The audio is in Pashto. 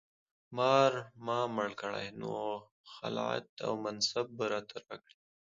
مار ما مړ کړی نو خلعت او منصب به راته راکړي.